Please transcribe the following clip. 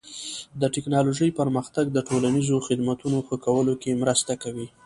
د ټکنالوژۍ پرمختګ د ټولنیزو خدمتونو ښه کولو کې مرسته کوي.